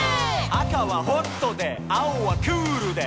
「あかはホットであおはクールで」